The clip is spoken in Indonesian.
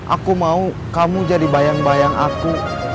aku mau kamu jadi bayang bayang aku